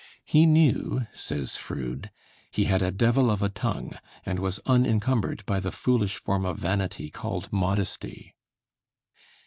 "He knew," says Froude, "he had a devil of a tongue, and was unincumbered by the foolish form of vanity called modesty."